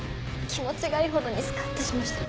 気持ちがいいほどにスカっとしました。